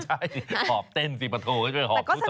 ใช่หอบเต้นสิปะโทก็ใช่หอบชุดสมัย